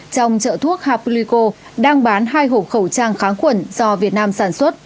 trong trợ thuốc hapulico đang bán hai hộp khẩu trang kháng khuẩn do việt nam sản xuất